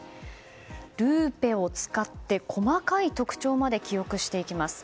ルーペを使って細かい特徴まで記憶していきます。